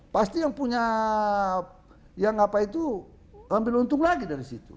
pasti yang punya yang apa itu ambil untung lagi dari situ